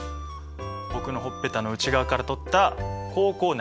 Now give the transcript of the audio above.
僕のほっぺたの内側から取った口腔内